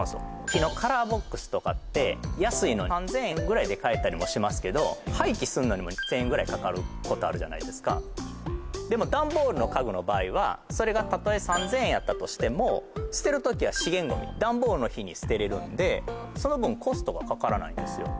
木のカラーボックスとかって安いの３０００円ぐらいで買えたりもしますけど廃棄するのにも１０００円ぐらいかかることあるじゃないですかでもダンボールの家具の場合はそれがたとえ３０００円やったとしても捨てる時は資源ゴミダンボールの日に捨てれるんでその分コストがかからないんですよ